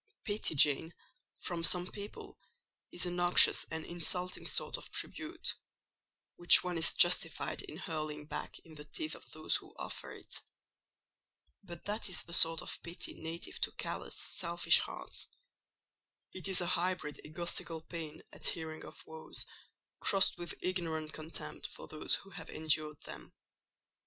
"Pity, Jane, from some people is a noxious and insulting sort of tribute, which one is justified in hurling back in the teeth of those who offer it; but that is the sort of pity native to callous, selfish hearts; it is a hybrid, egotistical pain at hearing of woes, crossed with ignorant contempt for those who have endured them.